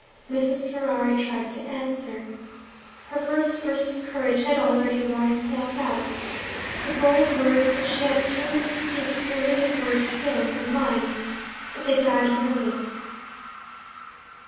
Mrs. Ferrari tried to answer. Her first burst of courage had already worn itself out. The bold words that she had determined to speak were living words still in her mind, but they died on her lips.